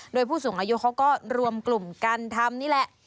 โดยผู้สูงอายุเขาก็รวมกลุ่มกันทำนี่แหละ